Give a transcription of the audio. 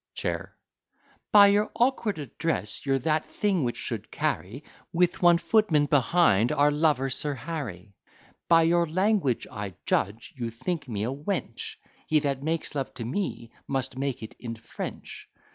CHAIR By your awkward address, you're that thing which should carry, With one footman behind, our lover Sir Harry. By your language, I judge, you think me a wench; He that makes love to me, must make it in French.